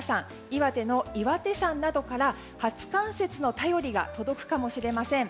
岩手の岩手山などから初冠雪の便りが届くかもしれません。